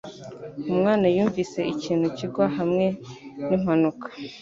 Umwana yumvise ikintu kigwa hamwe nimpanuka.